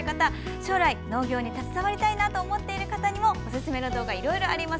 将来、農業に携わりたいと思っている方にもおすすめの動画いろいろあります。